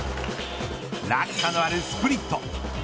落差のあるスプリット。